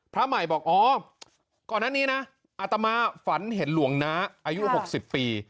พระใหม่บอกอ๋อก่อนอันนี้นะอาตมาฝันเห็นหลวงน้าอายุ๖๐ปี